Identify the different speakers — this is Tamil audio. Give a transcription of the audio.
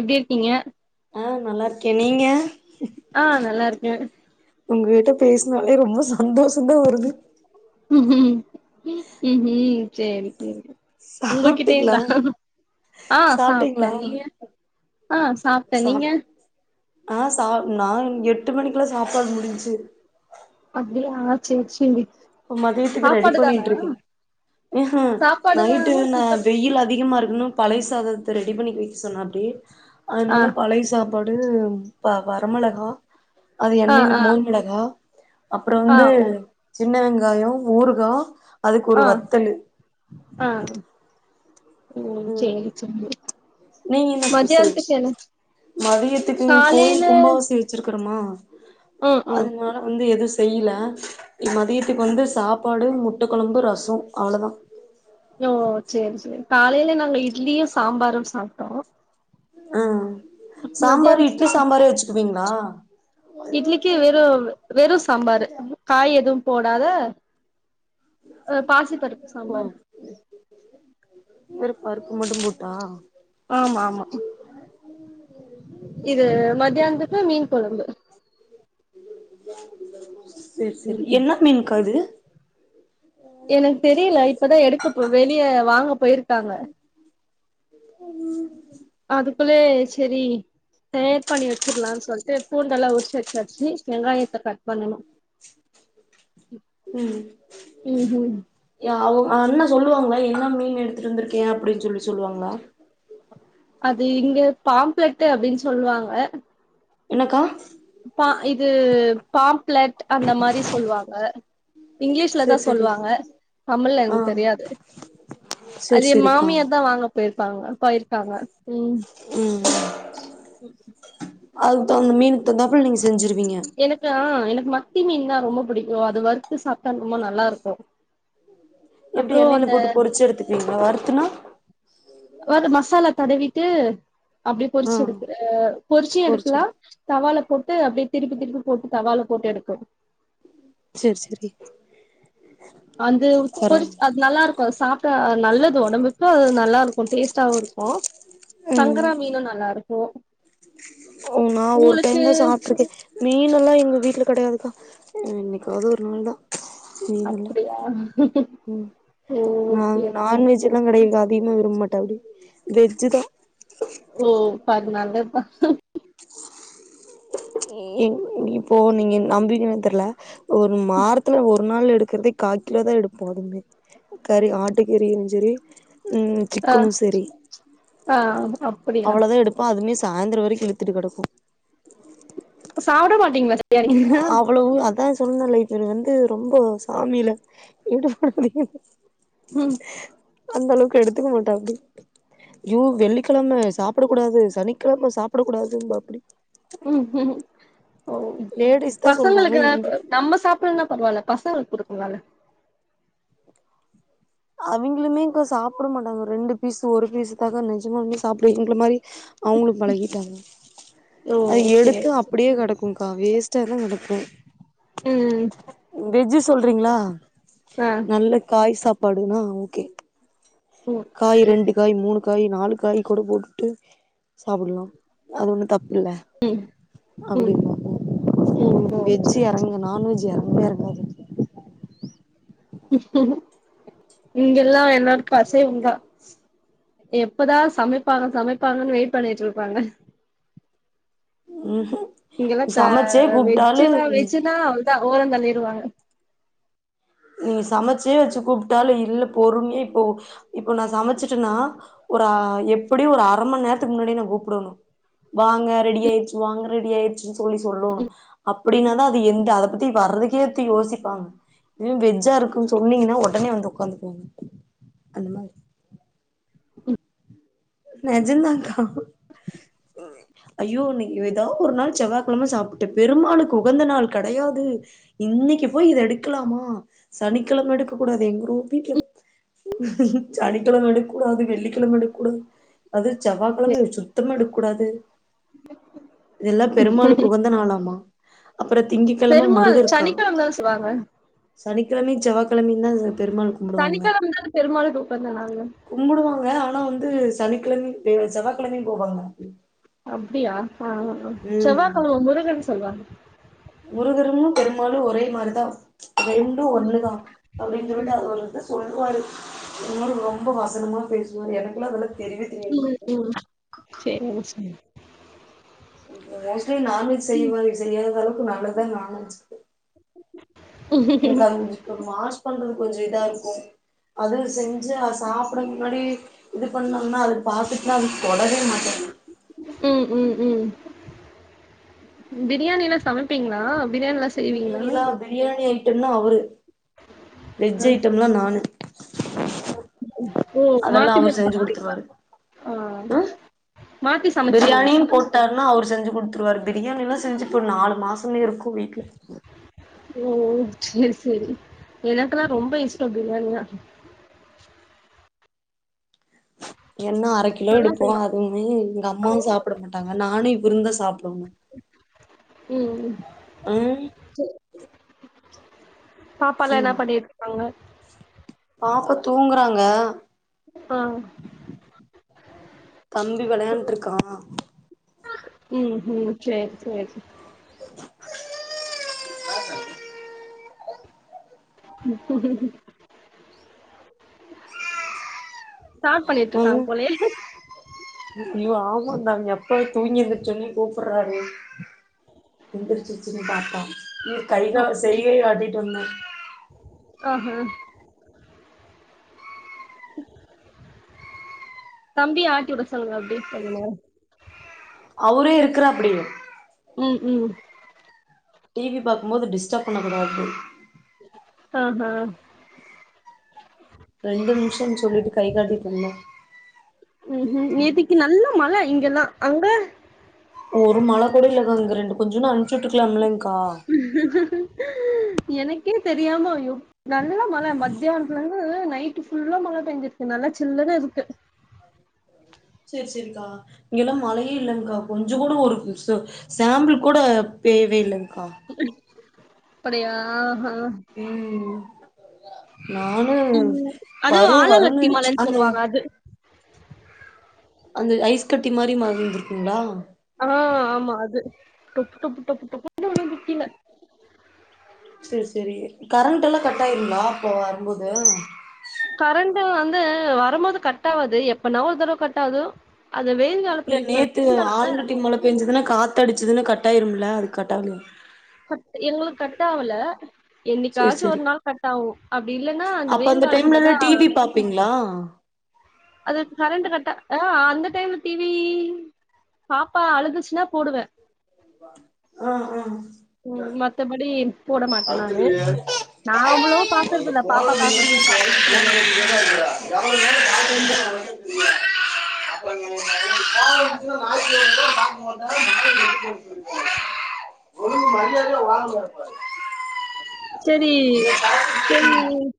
Speaker 1: எப்டி இருக்கீங்க
Speaker 2: ஆ நல்லாருக்கே நீங்க
Speaker 1: ஆ நல்லாருக்கே
Speaker 2: உங்ககிட்ட பேசுனாலே ரொம்ப சந்தோஷந்தா வருது
Speaker 1: ம் ம் சேரி சேரி
Speaker 2: சாப்ட்டீங்களா
Speaker 1: உங்ககிட்டயுந்தா ஆ சாப்ட்டே
Speaker 2: சாப்ட்டீங்களா
Speaker 1: நீங்க ஆ சாப்ட்டே நீங்க
Speaker 2: சாப் ஆ சா நாங் எட்டு மணிக்குல சாப்பாடு முடிஞ்ச்சு
Speaker 1: அப்டியா சேரி சேரி
Speaker 2: இப்ப மதியத்துக்கு ரெடி
Speaker 1: சாப்பாடு தானா
Speaker 2: பண்ணிட்டு இருக்கேங்க எ ஹா
Speaker 1: சாப்பாடு
Speaker 2: நைட்டு
Speaker 1: தானா
Speaker 2: நா
Speaker 1: டிஃபன்
Speaker 2: வெயிலு அதிகமா இருக்குணு பழைய சாதத்த ரெடி பண்ணி வெக்க சொன்னாப்டி
Speaker 1: ஆ
Speaker 2: அதனால பழைய சாப் பாடு வ வரமொளகா அது
Speaker 1: ஆ
Speaker 2: எண்ணெய்ல
Speaker 1: ஆ
Speaker 2: மோரி மொளகா அப்பற
Speaker 1: ஆ
Speaker 2: வந்து
Speaker 1: ஓ
Speaker 2: சின்ன வெங்காய ஊறுகா அதுக்கு ஒரு
Speaker 1: ஆ
Speaker 2: வத்தலு
Speaker 1: ஆ ஓ சேரி சேரிங்க
Speaker 2: நீ என்ன ஸ்பெஷல் மதியத்துக்கு கோயில்
Speaker 1: காலையில
Speaker 2: கும்பாவிசிய வெச்சிருக்குறமா
Speaker 1: ம் ம்
Speaker 2: அதனால வந்து எது செய்யில எ மதியத்துக்கு வந்து சாப்பாடு முட்டக்கொழம்பு ரச அவ்ளோதா
Speaker 1: ஓ சேரி சேரி காலைல நாங்க இட்லியு சாம்பாரும் சாப்ட்டோ
Speaker 2: ஆ சாம்பாரு இட்லி
Speaker 1: மதியானத்துக்கு
Speaker 2: சாம்பாரே வெச்சுக்குவீங்ளா
Speaker 1: இட்லிக்கு வெறு வெறு சாம்பாரு காய் எதுவு போடாத அ பாசிப்பருப்பு
Speaker 2: ஓ
Speaker 1: சாம்பாரு
Speaker 2: வெறு பருப்பு மட்டு போட்டா
Speaker 1: ஆமாம்மா இது மத்தியானத்துக்கு மீன் கொழம்பு
Speaker 2: சேரி சேரி
Speaker 1: ம்
Speaker 2: என்ன மீன்க்கா அது
Speaker 1: எனக்கு தெரியல இப்பதா எடுக்கப் போ வெளிய வாங்க போயிருக்காங்க
Speaker 2: உம்
Speaker 1: அதுக்குள்ளே சேரி சேர் பண்ணி வெச்சிர்லானு சொல்ட்டு பூண்டெல்லா உரிச்சு வெச்சாச்சு வெங்காயத்த கட் பண்ணணு
Speaker 2: ம்
Speaker 1: ம் ம்
Speaker 2: யா அவுங் அண்ணே சொல்லுவாங்ளா என்ன மீன் எடுத்துட்டு வந்திருக்கே அப்டின் சொல்லி சொல்லுவாங்ளா
Speaker 1: அது இங்க பாம்ப்லட்டு அப்டின் சொல்லுவாங்க
Speaker 2: என்னக்கா
Speaker 1: பா இது பாப்லட் அந்த மாரி சொல்வாங்க இங்கிலீஷ்ல தா
Speaker 2: சேரி சேரி
Speaker 1: சொல்வாங்க தமிழ்ல்ல
Speaker 2: ஆ
Speaker 1: எனக் தெரியாது
Speaker 2: சேரி
Speaker 1: அது எ
Speaker 2: சேரிக்கா
Speaker 1: மாமியார் தா வாங்க போயிருப்பாங்க போயிருக்காங்க ம்
Speaker 2: ம் அதுக்கு தகுந்த மீனுக்கு தகுந்தாப்ல நீங்க செஞ்சிருவீங்க
Speaker 1: எனக்கா எனக்கு மத்தி மீன் தா ரொம்ப பிடிக்கும் அது வறுத்து சாப்ட்டா ரொம்ப நல்லா இருக்கு
Speaker 2: எப்டி
Speaker 1: அப்றோ
Speaker 2: எண்ணெய்ல
Speaker 1: அந்த
Speaker 2: போட்டு பொரிச்சு எடுத்துப்பீங்ளா வறுத்துன்னா
Speaker 1: அது மசாலா தடவிட்டு அப்டி
Speaker 2: ஆ
Speaker 1: பொறிச்சு எடுக்குற பொறிச்சியு
Speaker 2: பொறிச்சு
Speaker 1: எடுக்லா
Speaker 2: எடுத்
Speaker 1: தவால போட்டு அப்டியே திருப்பி திருப்பி போட்டு தவால போட்டு எடுக்கலா
Speaker 2: சரி சரி
Speaker 1: அந்து பொரி அது நல்லா இருக்கு சாப்ட்டா நல்லது உடம்பு கு நல்லா இருக்கு டேஸ்ட்டாவு இருக்கு
Speaker 2: ம்
Speaker 1: சங்கரா மீனு நல்லா இருக்கு
Speaker 2: ஒம் நா ஒரு
Speaker 1: உங்களுக்கு
Speaker 2: டைம் தா சாப்ட்டுருக்கே மீனெல்லா எங்க வீட்ல கெடையாதுக்கா என்னைக்காவது ஒரு நாள் தா நேம் இல்ல
Speaker 1: அப்டியா
Speaker 2: ம்
Speaker 1: ஓ
Speaker 2: நாங்க
Speaker 1: ஓகே
Speaker 2: நான்வெஜ் அதுல்லாங்கெடை அதிகமா விரும்ப மாட்டாப்டி வெஜ்ஜு தா
Speaker 1: ஓ பதினாலு தா இப்ப
Speaker 2: இப் இப்போ நீங்க நம்புவீங்களான் தெர்ல ஒரு மாரத்துல ஒரு ஒரு நாள் எடுக்கிறதே காகிலோ தா எடுப்போ அதுமே கறி ஆட்டு கறியிலு சரி ம்
Speaker 1: ஆ
Speaker 2: சிக்கனு சரி
Speaker 1: ஆ அப்டியா
Speaker 2: அவ்ளதா எடுப்போ அதுமே சாயந்தரோ வரைக்கு இழுத்துட்டு கெடக்கு
Speaker 1: சாப்ட மாட்டீங்ளா
Speaker 2: அவ்ளவு அதா சொன்னேல்ல இப் இவரு வந்து ரொம்ப சாமில ஈடுபாடு அதிகோ
Speaker 1: ம்
Speaker 2: அந்த அளவுக்கு எடுத்துக்க மாட்டாப்டி யோ வெள்ளிகெழம சாப்ட கூடாது சனிக்கெழம சாப்ட கூடாதும்பாப்டி
Speaker 1: ம் ம் ஓ
Speaker 2: லேடிஸ் தா சொல்லுவாங்க
Speaker 1: பசங்களுக்குலா
Speaker 2: இவங்க
Speaker 1: நம்ம சாப் சாப்பில்ன்னா பரவால்ல பசங்களுக் குடுக்கலாம்ல
Speaker 2: அவிங்களுமே இப்ப சாப்ட மாட்டாங்க ரெண்டு பீஸு ஒரு பீஸு தான்க்கா நெஜமாலுமே சாப்பிடு எங்ள மாறி அவங்ளு பழகிட்டாங்க
Speaker 1: ஓ
Speaker 2: அது
Speaker 1: சேரி
Speaker 2: எடுத்து
Speaker 1: சேரி
Speaker 2: அப்டியே கெடக் குங்கா வேஸ்ட்டா தா கெடக்கு
Speaker 1: ம்
Speaker 2: வெஜ்ஜி சொல்றீங்ளா
Speaker 1: ஆ
Speaker 2: நல்ல காய் சாப் பாடுனா ஓகே
Speaker 1: ம்
Speaker 2: காய் ரெண்டு காய் மூணு காய் நாலு காய் கூட போட்டு சாப்பிட்லா அது ஒன்னு தப்பு இல்ல
Speaker 1: ம்
Speaker 2: அப்டிம்பாங்க
Speaker 1: ம் ஓ
Speaker 2: வெஜ்
Speaker 1: சேரி
Speaker 2: எறங்கு
Speaker 1: சேரி
Speaker 2: நான்வெஜ் எறங்கவே எறங்காது
Speaker 1: இங்கெல்லா எல்லாருக்கு அசைவந்தா எப்பதா சமைப்பாங்க சமைப்பாங்கன் வெயிட் பண்ணிட் இருப்பாங்க
Speaker 2: ம்ஹு
Speaker 1: இங்கெல்லா க வெஜ்ஜுனா வெஜ்ஜுனா அவ்ளோதா ஓரோ தள்ளிருவாங்க
Speaker 2: நீங்க சமைச்சே வச்சு கூப்ட்டாலு இல்ல பொறுமையா இப்போ இப்போ நா சமச்சுட்டேன்னா ஒரு அ எப்டியு ஒரு அர மண் நேரத்துக்கு முன்னாடி நா கூப்டணு வாங்க ரெடி ஆயிருச்சி வாங்க ரெடி ஆயிருச்சி தோழி சொல்லும் அப்டின்னாதா அது எந்த அத பத்தி வறதுக்கே அத்து யோசிப்பாங்க இதிலியும் வெஜ்ஜா இருக்குன் சொன்னீங்கன்னா ஒடனே வந்து ஒக்காந்துக்குவாங்க அந்த மாரி நெஜந்தாக்கா ஐயோ அன்னிக்கு எதா ஒரு நாள் செவ்வகெழம சாப்ட்டு பெருமாளுக்கு உகந்த நாள் கடையாது இன்னைக்கு போயி இத எடுக்கலாமா சனிக்கெழம எடுக்க கூடாது எங்குரு வீட்ல சனிக்கெழம எடுக்கூடாது வெள்ளிக்கெழம எடுக்கூடாது செவ்வாகெழம சுத்தமா எடுக்கூடாது இதெல்லா பெருமாளுக்கு உகந்த நாளாமா அப்புறம் திங்க கெழம
Speaker 1: பெருமாள்
Speaker 2: முருகர்க்கா
Speaker 1: சனிக்கிழம தான செய்வாங்க
Speaker 2: சனிக்கெழமயு செவ்வா கெழமயு தான் பெருமாள் கும்புடுவாங்க
Speaker 1: சனிக்கிழம தான பெருமாளுக்கு உகந்தநாளு
Speaker 2: கும்புடுவாங்க ஆனா வந்து சனிக்கிழமையு தேவ செவ்வாகிழமையு போவாங்க
Speaker 1: அப்டியா ஆ ஆமா
Speaker 2: ம்
Speaker 1: செவ்வாக்கெழம முருகன் சொல்லுவாங்க
Speaker 2: முருகருமும் பெருமாலும் ஒரே மாரிதா ரண்டும் ஒண்ணுதா அப்டின் சொல்ட்டு அது வந்து சொல்லுவாரு என்னோட ரொம்ப வசனமா பேசுவாரு எனக்குளா அதுலா தெரிவே தெரியாது
Speaker 1: ம் ம் செரிங்க செரி
Speaker 2: மோஸ்ட்லி நான்வெஜ் செய்வ செய்யாத அளவுக்கு நல்லதா நான்வெஜ் எனக்கு அது கொஞ்ச வாஷ் பண்றதுக்கு கொஞ்சம் இதா இருக்கும் அதும் செஞ்சா சாப்பட முன்னாடி இது பண்ணோன்னா அது பாத்துட்டுலா அது தொடவே மாட்ட
Speaker 1: ம் ம் ம் பிரியாணிலா சமைப்பீங்களா பிரியாணி லா
Speaker 2: பிரியாணிலா பிரியாணி ஐட்டம்னா அவரு
Speaker 1: அ
Speaker 2: வெஜ்ஜி ஐட்டம்லா நானு
Speaker 1: ஓ
Speaker 2: அதெல்லா
Speaker 1: மாத்தி
Speaker 2: அவரு
Speaker 1: மாத்தி
Speaker 2: செஞ்சு
Speaker 1: பண்றிங்களா
Speaker 2: குடுத்துருவாரு
Speaker 1: ஆ
Speaker 2: ம்
Speaker 1: மாத்தி சமைச்சிருங்க
Speaker 2: டாருன்னா அவரு செஞ்சி குடுத்துருவாரு பிரியாணிலா செஞ்சி இப்ப நாலு மாசமே இருக்கும் வீட்ல
Speaker 1: ஓ செரி செரி எனக்குல்லாம் ரொம்ப இஷ்டம் பிரியாணினா
Speaker 2: என்ன அர கிலோ
Speaker 1: நல்லா
Speaker 2: எடுப்போம்
Speaker 1: செய்வேன்.
Speaker 2: அதுமே எங்க அம்மாவும் சாப்ட மாட்டாங்க நானும் இவருந்தா சாப்படணும்
Speaker 1: ம் ம்
Speaker 2: ம்
Speaker 1: ச பாப்பாலா என்னா பண்ணிட்ருக்காங்க
Speaker 2: பாப்பா தூங்கறாங்க
Speaker 1: ஆ.
Speaker 2: தம்பி வெளையாண்ட்ருக்கா
Speaker 1: ம் ம் சேரி சேரி [unintelligible] ஸ்டாட் பண்ணிட்டுருக்காங்க
Speaker 2: ம்
Speaker 1: போலயே இன்னா
Speaker 2: ஐயோ ஆமாந்த அவங்க எப்பவே தூங்கி எந்திருச்ச ஒன்னே கூப்பறாரு எந்திரிச்சிருச்சிடி பாப்பா நீ கைகா செய்கைய காட்டிட்டு வந்த
Speaker 1: ஆஹ தம்பிய ஆட்டிவுட சொல்லுங்க அப்டி கொஞ்ச நேரோ
Speaker 2: அவுரே இருக்கறாப்டி
Speaker 1: ம் ம்
Speaker 2: டிவி பாக்கமோது டிஸ்டப் பண்ணக்கூாது
Speaker 1: ஆஹ
Speaker 2: ரெண்டு நிமிஷன் சொல்லிட்டு கை காட்டிட்டு வந்தே
Speaker 1: ம் ஹூ நேத்திக்கு நல்லா மழ இங்கெல்லா அங்க
Speaker 2: ஒரு மழ கூட இல்லக்கா இங்க ரெண்டு கொஞ்சோன்டு அனுச்சி உட்ரக்கலாம் இல்லைங்க்கா
Speaker 1: எனக்கே தெரியாம ஐயோ நல்லா மழ மத்யானத்துல இருந்து நைட்டு் ஃபுல்லா மழ பேஞ்சிருக்கு நல்லா சில்லுனு இருக்கு
Speaker 2: சேரி சேரிக்கா இங்கெல்லா மழயே இல்லங்கா கொஞ்சோ கூட ஒரு நிம்சோ சாம்பிள் கூட பேயவே இல்லங்க்கா
Speaker 1: அப்டியா அ
Speaker 2: உம் நானு
Speaker 1: ம். அதுவும்
Speaker 2: வரு வரும்னு
Speaker 1: ஆலங்கட்டி மழைன்னு
Speaker 2: அந்த
Speaker 1: சொல்லுவாங்க அது.
Speaker 2: அந்த ஐஸ் கட்டி மாரி மழ வந்திருக்குங்களா
Speaker 1: ஆ ஆமா அது டுப் டுப் டுப் டுப்புனு வுன்னு நிக்கில
Speaker 2: செரி செரி கரண்ட்லா கட் ஆயிருங்களா அப்போ வரும்போது
Speaker 1: கரண்டு வந்து வரும்போது கட் ஆவாது எப்ப நா ஓர் தடவ கட் ஆவுது அந்த வெயில் காலத்துல இப்ப
Speaker 2: து ஆலங்கட்டி மழ பேஞ்சதுன்னா காத்து அடிச்சதுனா கட்ட ஆயிரும்ல அது கட்டாகலய
Speaker 1: எங்களுக் கட்டாவுல
Speaker 2: சேரி
Speaker 1: என்னிக்காச்சு
Speaker 2: சேரி
Speaker 1: ஒரு நாள் கட்டாகு அப்டி இல்லன்னா அந்த வெயில் காலத்துல தா
Speaker 2: லா
Speaker 1: அதுக் கரண்டு கட்டா அ அந்த டைம்ல டி வீ பாப்பா அழுதுச்சுனா போடுவே
Speaker 2: அ அ
Speaker 1: உம் மத்த படி
Speaker 2: வந்துடுவியா [inaudible] [inaudible] [inaudible]
Speaker 1: அவ்ளோ பாக்குறதில்ல. பாப்பாக்காகத்தான் பா போடுவேன்.
Speaker 2: போய் மரியாதையா வாழ போற பாரு
Speaker 1: சேரி [unintelligible]